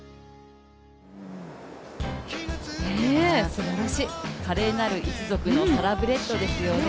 すばらしい、華麗なる一族のサラブレッドですよね。